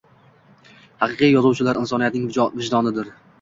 Haqiqiy yozuvchilar insoniyatning vijdonidir